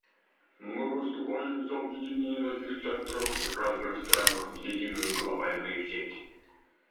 Мы выступаем за объединение таких центров в разных странах в единую глобальную сеть.